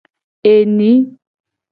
Eni.